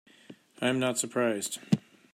I am not surprised.